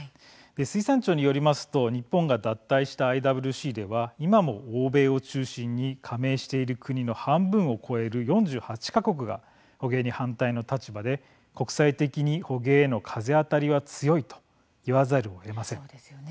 水産庁によりますと日本が脱退したＩＷＣでは今も欧米を中心に加盟している国の半分を超える４８か国が捕鯨に反対の立場で国際的に捕鯨への風当たりは強いと言わざるをえません。